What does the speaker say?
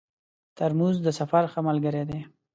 ترموز د سفر ښه ملګری دی.